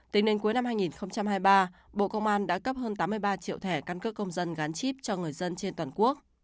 tính đến cuối năm hai nghìn hai mươi ba bộ công an đã cấp hơn tám mươi ba triệu thẻ căn cước công dân gắn chip cho người dân trên toàn quốc